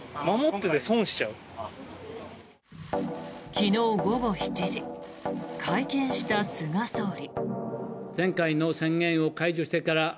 昨日午後７時会見した菅総理。